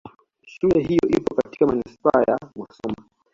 Shule hiyo ipo katika Manispaa ya Musoma